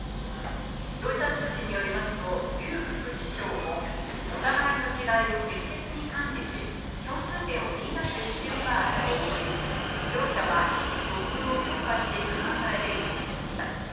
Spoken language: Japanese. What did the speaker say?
ロイター通信によりますとリュウ副首相もお互いの違いを適切に管理し、共通点を見いだす必要があると応じ、両者は意思疎通を強化していく考えで一致しました。